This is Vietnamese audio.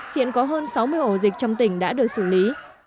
hiện có hơn sáu mươi ổ dịch trong tỉnh đã được xử lý